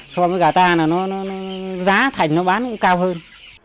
so với gà ta là nó giá thành nó bán cũng cao hơn